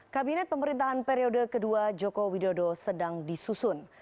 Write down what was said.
kabinet pemerintahan periode kedua joko widodo sedang disusun